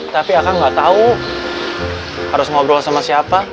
tapi aka nggak tahu harus ngobrol sama siapa